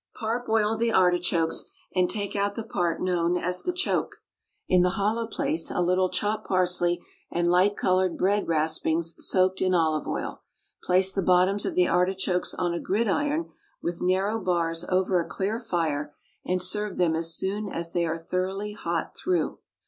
Parboil the artichokes and take out the part known as the choke. In the hollow place a little chopped parsley and light coloured bread raspings soaked in olive oil. Place the bottoms of the artichokes on a gridiron with narrow bars over a clear fire, and serve them as soon a they are thoroughly hot through.